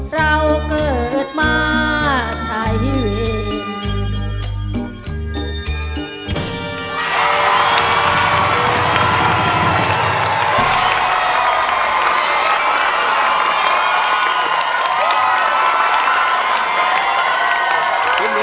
เราเกิดมาใจเวร